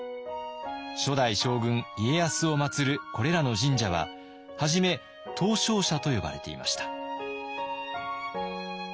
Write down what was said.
初代将軍家康をまつるこれらの神社は初め東照社と呼ばれていました。